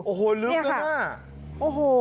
โอ้โหลึกมากนี่ค่ะ